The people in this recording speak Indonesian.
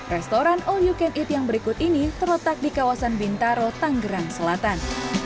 restoran all you can eat yang berikut ini terletak di kawasan bintaro tanggerang selatan